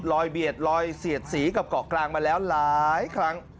เบียดลอยเสียดสีกับเกาะกลางมาแล้วหลายครั้ง